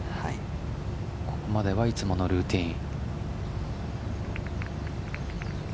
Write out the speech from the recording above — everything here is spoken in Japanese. ここまではいつものルーティン。